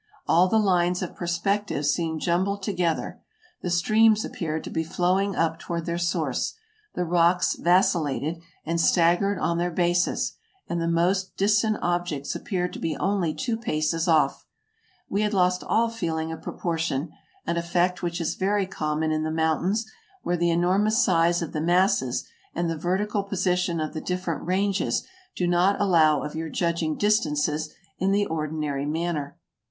All the lines of perspective seemed jumbled to gether; the streams appeared to be flowing up toward their source, the rocks vacillated and staggered on their bases, and the most distant objects appeared to be only two paces off; we had lost all feeling of proportion, an effect which is very common in the mountains, where the enormous size of the masses, and the vertical position of the different ranges, do not allow of your judging distances in the ordinary manner.